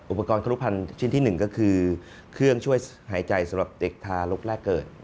อุปกรณ์ครุพันธ์ชิ้นที่๑ก็คือเครื่องช่วยหายใจสำหรับเด็กทารกแรกเกิด